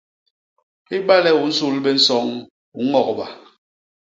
Ibale u nsul bé nsoñ, u ñogba.